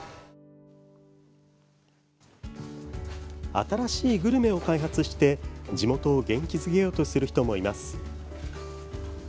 新しいグルメを開発して地元を元気づけようとする人もいます。